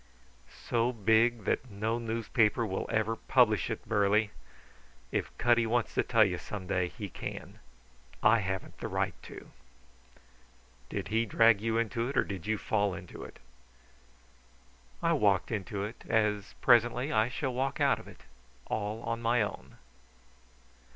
"So big that no newspaper will ever publish it, Burly. If Cutty wants to tell you some day he can. I haven't the right to." "Did he drag you into it or did you fall into it?" "I walked into it, as presently I shall walk out of it all on my own.